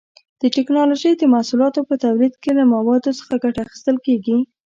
د ټېکنالوجۍ د محصولاتو په تولید کې له موادو څخه ګټه اخیستل کېږي.